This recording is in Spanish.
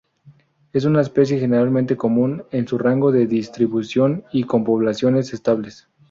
Es una especie generalmente común en su rango de distribución, y con poblaciones estables.